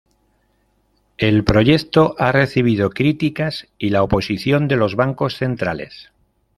El proyecto ha recibido críticas y la oposición de los bancos centrales.